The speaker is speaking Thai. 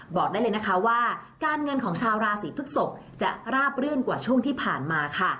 บอกได้เลยนะคะว่าการเงินของชาวราศีพฤกษกจะราบรื่นกว่าช่วงที่ผ่านมาค่ะ